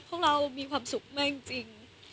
พวกเรามีความสุขมากจริง